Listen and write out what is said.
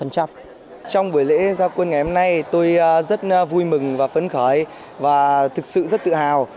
trong buổi lễ giao quân ngày hôm nay tôi rất vui mừng và phấn khởi và thực sự rất tự hào